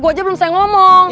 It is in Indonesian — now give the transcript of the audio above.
gue aja belum saya ngomong